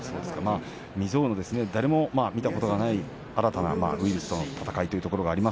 未曽有の誰も見たことがない新たなウイルスとの戦いです。